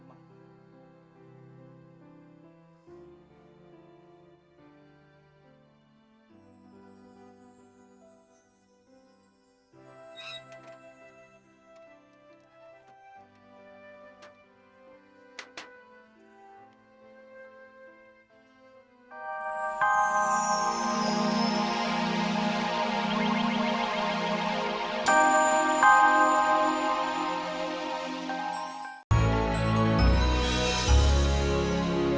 kasian dia pras